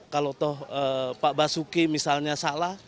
kalau toh pak basuki misalnya salah